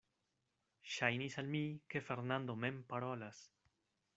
Ŝajnis al mi, ke Fernando mem parolas.